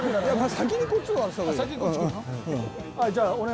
先にこっち来るの？